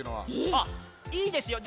あっいいですよ。